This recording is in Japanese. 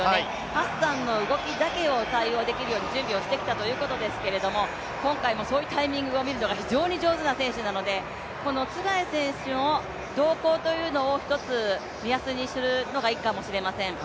ハッサンの動きだけに対応ができるように準備をしてきたんですが今回もそういうタイミングを見るのが非常に上手な選手なので、ツェガイ選手の動向というのを一つ目安にするのがいいかもしれません。